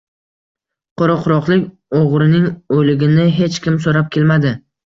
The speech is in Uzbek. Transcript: Qoraquroqlik o‘g‘rining o‘ligini hech kim so‘rab kelmadi.